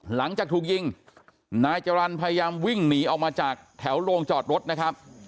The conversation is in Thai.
หลังจากถูกยิงนายจรรย์พยายามวิ่งหนีออกมาจากแถวโรงจอดรถนะครับ